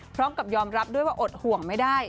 พร้อมกับยอมรับด้วยว่าอดห่วงไม่ได้